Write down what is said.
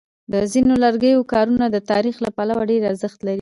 د ځینو لرګیو کارونه د تاریخ له پلوه ډېر ارزښت لري.